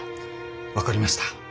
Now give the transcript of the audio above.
分かりました。